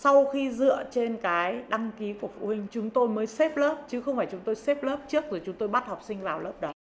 sau khi dựa trên cái đăng ký phục vụ hình chúng tôi mới xếp lớp chứ không phải chúng tôi xếp lớp trước rồi chúng tôi bắt học sinh vào lớp đó